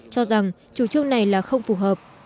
cho rằng chủ trương này là không phù hợp